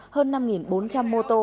hơn năm bốn trăm linh mô tô